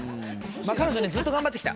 彼女ねずっと頑張って来た。